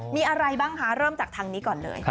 มีอะไรบ้างคะเริ่มจากทางนี้ก่อนเลย